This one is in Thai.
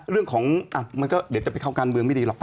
มันก็เดี๋ยวจะไปเข้าการเมืองไม่ดีหรอก